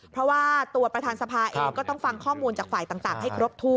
เพราะว่าตัวประธานสภาเองก็ต้องฟังข้อมูลจากฝ่ายต่างให้ครบถ้ว